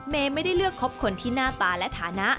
ไม่ได้เลือกคบคนที่หน้าตาและฐานะ